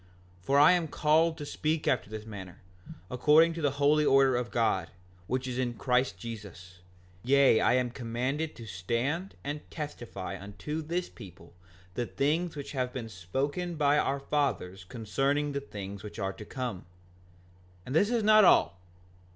5:44 For I am called to speak after this manner, according to the holy order of God, which is in Christ Jesus; yea, I am commanded to stand and testify unto this people the things which have been spoken by our fathers concerning the things which are to come. 5:45 And this is not all.